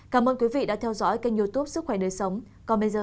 cảm ơn quý vị đã theo dõi kênh youtube sức khỏe đời sống còn bây giờ xin chào và gặp lại